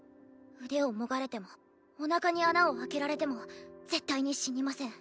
腕をもがれてもおなかに穴を開けられても絶対に死にません。